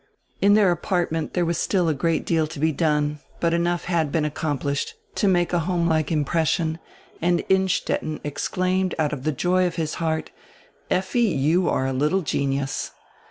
In their apartment there was still a great deal to be done, but enough had been accomplished to make a homelike impression and Innstetten exclaimed out of die joy of his heart: "Effi, you are a little genius."